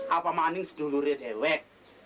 apa maning sedulurit ewek